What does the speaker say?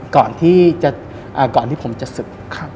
ก่อนที่ผมจะศึก